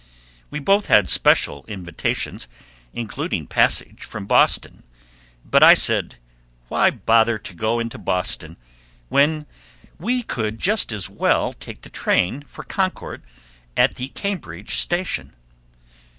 We both had special invitations, including passage from Boston; but I said, Why bother to go into Boston when we could just as well take the train for Concord at the Cambridge station?